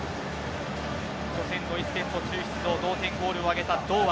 初戦ドイツ戦途中出場同点ゴールを挙げた堂安。